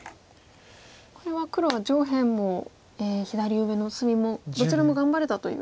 これは黒が上辺も左上の隅もどちらも頑張れたという。